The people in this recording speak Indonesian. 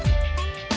nenek ambil sarapan